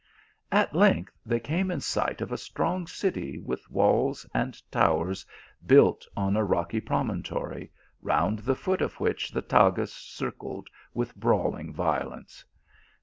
At length, they came in sight of a strong city with walls and towers, built on a rocky promon tory, round the foot of which the Tagus circled with brawling violence.